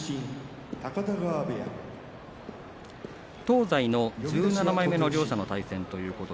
東西の１７枚目の両者の対戦です。